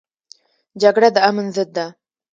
جګړه د امن ضد ده